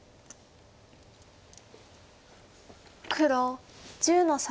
黒１０の三。